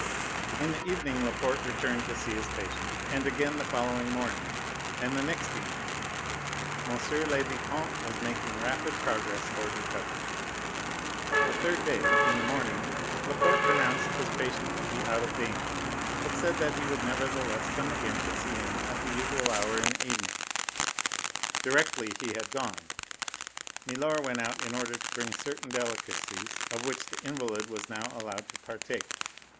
In the evening Laporte returned to see his patient, and again the following morning, and the next evening. M. le Vicomte was making rapid progress towards recovery. The third day in the morning Laporte pronounced his patient to be out of danger, but said that he would nevertheless come again to see him at the usual hour in the evening. Directly he had gone, milor went out in order to bring in certain delicacies of which the invalid was now allowed to partake.